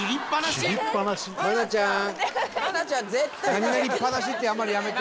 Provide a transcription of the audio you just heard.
「何々っぱなし」ってあんまりやめて。